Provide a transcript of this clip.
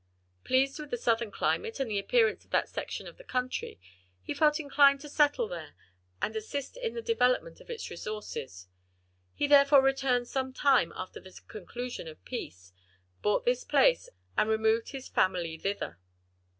Pleased with the southern climate and the appearance of that section of country, he felt inclined to settle there and assist in the development of its resources; he therefore returned some time after the conclusion of peace, bought this place, and removed his family thither.